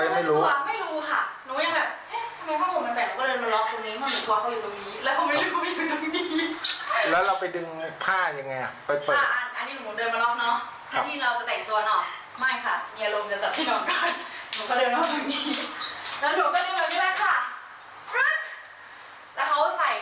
ไม่รู้ค่ะหนูยังแบบแห้งทำไมพ่อผมแหละ